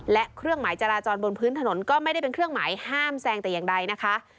และเครื่องหมายจราจรบนพื้นถนนก็ไม่ได้เป็นเครื่องหมายห้ามแซงแต่อย่างใดนะคะ